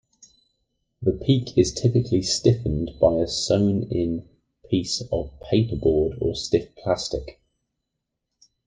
The peak is typically stiffened by a sewn-in piece of paperboard or stiff plastic.